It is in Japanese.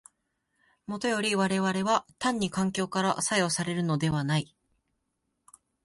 もとより我々は単に環境から作用されるのではない。